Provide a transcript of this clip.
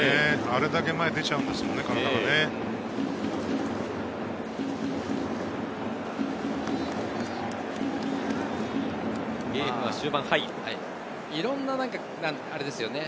あれだけ前に体が出ちゃうんですね。